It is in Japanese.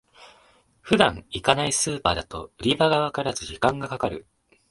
普段行かないスーパーだと売り場がわからず時間がかかる